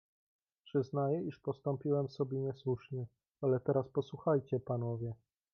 "Przyznaję, iż postąpiłem sobie niesłusznie, ale teraz posłuchajcie, panowie!"